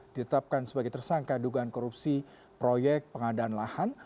ditetapkan sebagai tersangka dugaan korupsi proyek pengadaan lahan